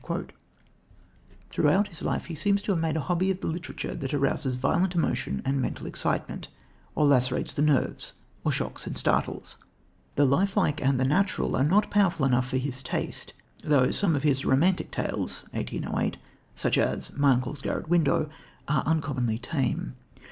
" Throughout his life he seems to have made a hobby of the literature that arouses violent emotion and mental excitement, or lacerates the nerves, or shocks and startles. The lifelike and the natural are not powerful enough for his taste, though some of his _Romantic Tales_(1808), such as My Uncle's Garret Window, are uncommonly tame.